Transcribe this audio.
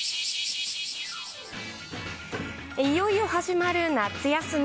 いよいよ始まる夏休み。